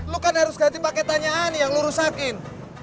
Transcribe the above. lu kan harus ganti paket tanyaan yang lu rusakin